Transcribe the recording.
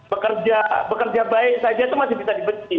bekerja bekerja baik saja itu masih bisa dibenci